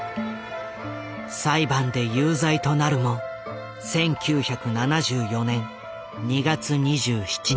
裁判で有罪となるも１９７４年２月２７日。